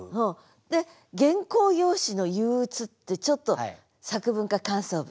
で「原稿用紙の憂鬱」ってちょっと作文か感想文。